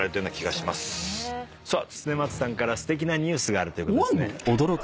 さあ恒松さんからすてきなニュースがあるということですね。